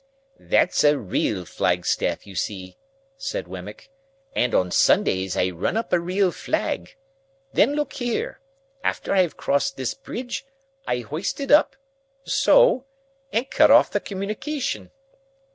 "That's a real flagstaff, you see," said Wemmick, "and on Sundays I run up a real flag. Then look here. After I have crossed this bridge, I hoist it up—so—and cut off the communication."